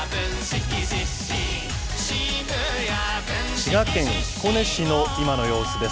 滋賀県彦根市の今の様子です。